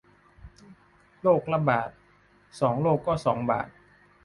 โรคละบาท สองโรคก็สองบาท